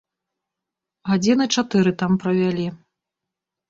Гадзіны чатыры там правялі.